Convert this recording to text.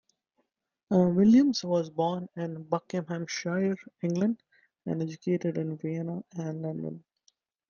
Williams was born in Buckinghamshire, England, and educated in Vienna and London.